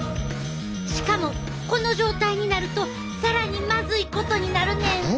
しかもこの状態になると更にまずいことになるねん！